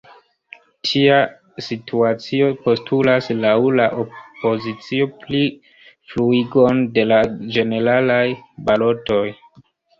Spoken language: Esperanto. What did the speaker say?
Tia situacio postulas, laŭ la opozicio, plifruigon de la ĝeneralaj balotoj.